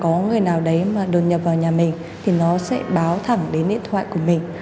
nếu người nào đấy mà đột nhập vào nhà mình thì nó sẽ báo thẳng đến điện thoại của mình